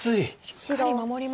しっかり守りました。